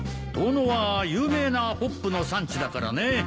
遠野は有名なホップの産地だからね